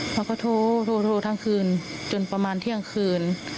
เขาก็โทรโทรทั้งคืนจนประมาณเที่ยงคืน